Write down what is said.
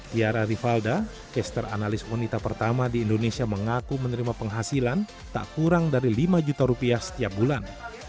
tiara rivalda caster analis wanita pertama di indonesia mengaku menerima penghasilan tak kurang dari lima juta rupiah setiap bulan